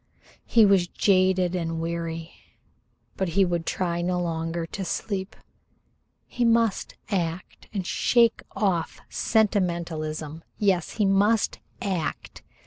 He was jaded and weary, but he would try no longer to sleep. He must act, and shake off sentimentalism. Yes, he must act.